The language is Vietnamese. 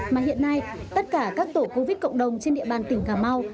mà hiện nay tất cả các tổ covid cộng đồng trên địa bàn tỉnh cà mau